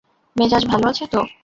মেজাজ ভাল আছে তো?